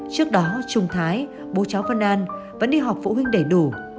trước đó trùng thái bố cháu vân anh vẫn đi học phụ huynh đầy đủ